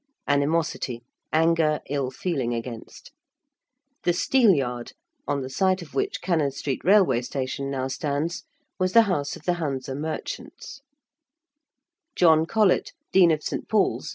~animosity~: anger, ill feeling against. ~The Steelyard~, on the site of which Cannon Street railway station now stands, was the house of the Hanse merchants (see note on Chapter XXII.).